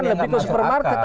orang akan lebih ke supermarket